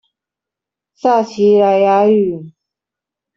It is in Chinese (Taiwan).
撒奇萊雅語